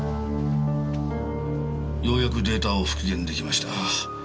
ようやくデータを復元できました。